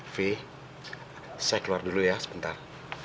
fee saya keluar dulu ya sebentar